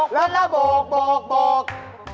รักร่างโบก